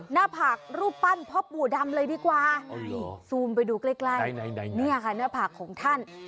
หน้าผากรูปปั้นพ่อปู่ดำเลยดีกว่าซูมไปดูใกล้เนี่ยค่ะหน้าผากของท่าน